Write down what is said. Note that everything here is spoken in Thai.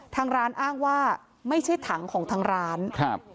ทางร้านอ้างว่าไม่ใช่ถังของทางร้านครับ